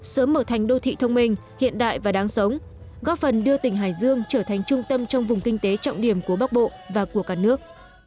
sớm mở thành đô thị thông minh hiện đại và đáng sống góp phần đưa tỉnh hải dương trở thành trung tâm trong vùng kinh tế trọng điểm của bắc bộ và của cả nước